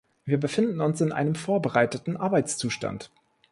Wir befinden uns in einem vorbereitenden Arbeitszustand.